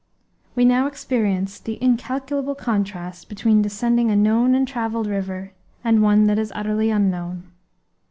We now experienced the incalculable contrast between descending a known and travelled river, and one that is utterly unknown.